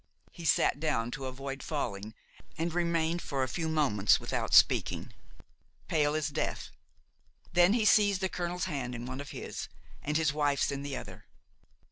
He sat down to avoid falling and remained for a few moments without speaking, pale as death; then he seized the colonel's hand in one of his and his wife's in the other.